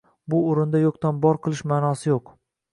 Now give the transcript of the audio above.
Bu oʻrinda yoʻqdan bor qilish maʼnosi yoʻq